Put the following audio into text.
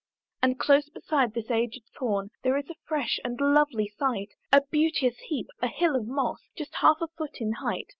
And close beside this aged thorn, There is a fresh and lovely sight, A beauteous heap, a hill of moss, Just half a foot in height.